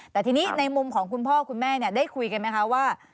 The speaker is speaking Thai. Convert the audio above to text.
แต่ทีนี้ในมุมของคุณพ่อคุณแม่ได้คุยกันไหมคะว่า